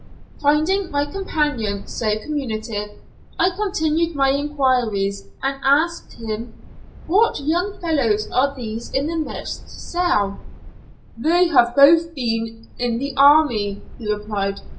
Finding my companion so communicative I continued my enquiries, and asked him, "What young fellows are these in the next cell?" "They have both been in the army," he replied.